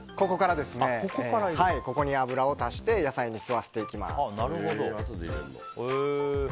ここに油を足して野菜に吸わせていきます。